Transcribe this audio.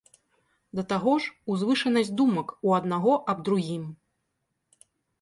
Да таго ж, узвышанасць думак у аднаго аб другім.